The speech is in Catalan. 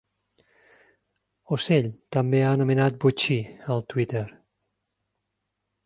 Ocell, també anomenat botxí, al Twitter.